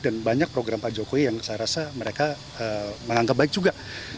menangkap baik juga